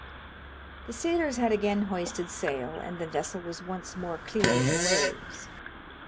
The sailors had again hoisted sail, and the vessel was once more cleaving the waves.